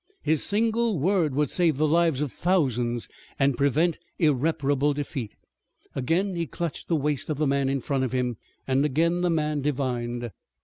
His single word would save the lives of thousands and prevent irreparable defeat! Again he clutched the waist of the man in front of him and again the man divined.